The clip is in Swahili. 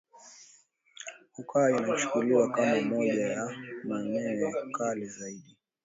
hukaa inachukuliwa kama moja ya maeneo ya kale zaidi